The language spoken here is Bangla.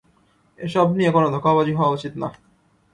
এসব নিয়ে কোনো ধোঁকাবাজি হওয়া উচিত না।